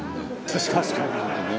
「確かに。